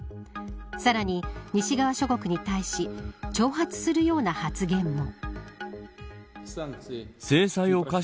さらに、西側諸国に対し挑発するような発言も。